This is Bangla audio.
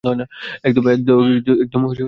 একদম ভয় পাবে না!